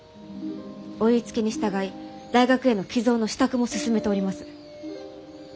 お言いつけに従い大学への寄贈の支度も進めております。